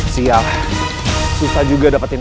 siap susah juga dapetin